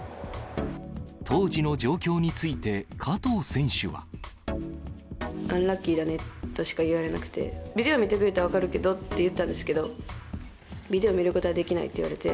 当時の状況について、加藤選手は。アンラッキーだねとしか言われなくて、ビデオ見てくれたら分かるけどって言ったんですけど、ビデオ見ることはできないって言われて。